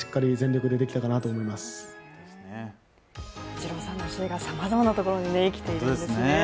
イチローさんの教えがさまざまなところに生きているんですね。